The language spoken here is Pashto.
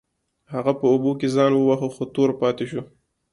هغه په اوبو کې ځان وواهه خو تور پاتې شو.